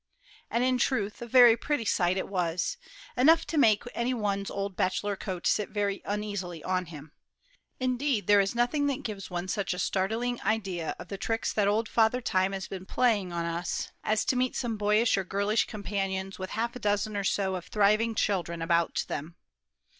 And, in truth, a very pretty sight it was enough to make any one's old bachelor coat sit very uneasily on him. Indeed, there is nothing that gives one such a startling idea of the tricks that old Father Time has been playing on us, as to meet some boyish or girlish companions with half a dozen or so of thriving children about them.